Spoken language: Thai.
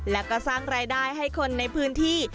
และก็สร้างรายได้ให้คนในพื้นที่